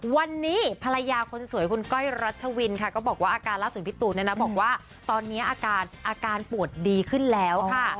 วันนี้ภรรยาคนสวยคุณก้อยรัชวินค่ะก็บอกว่าอาการล่าสุดพี่ตูนเนี่ยนะบอกว่าตอนนี้อาการอาการปวดดีขึ้นแล้วค่ะ